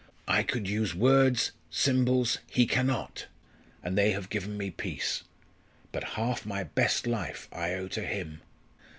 I could use words, symbols he cannot and they have given me peace. But half my best life I owe to him."